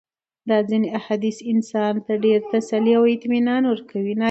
دا ځېني احاديث انسان ته ډېره تسلي او اطمنان ورکوي